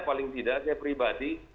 paling tidak saya pribadi